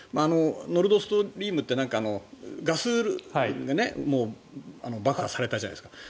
ノルド・ストリームってガスが爆破されたじゃないですか。